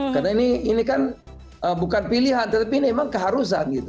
karena ini kan bukan pilihan tetapi ini memang keharusan gitu